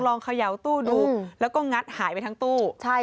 เขย่าตู้ดูแล้วก็งัดหายไปทั้งตู้